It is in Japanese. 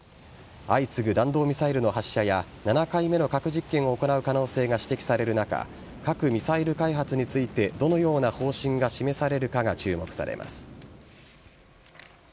相次ぐ弾道ミサイルの発射や７回目の核実験を行う可能性が指摘される中核・ミサイル開発についてどのような方針が示されるかが注目されます。